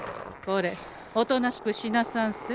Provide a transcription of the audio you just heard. これおとなしくしなさんせ。